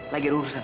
lagi ada urusan